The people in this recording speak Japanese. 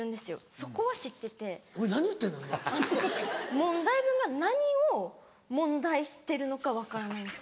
問題文が何を問題してるのか分からないんです。